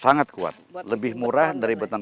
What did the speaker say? sangat kuat lebih murah dari bentang